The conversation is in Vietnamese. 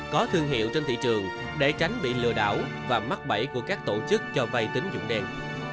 có thương hiệu trên thị trường để tránh bị lừa đảo và mắc bẫy của các tổ chức cho vay tín dụng đen